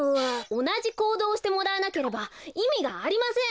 おなじこうどうをしてもらわなければいみがありません！